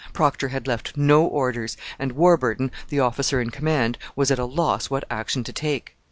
Procter had left no orders; and Warburton, the officer in command, was at a loss what action to take.